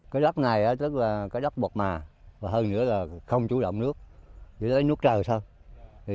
cái đất này tức là cái đất bột mà và hơn nữa là không chủ động nước chỉ lấy nước trời thôi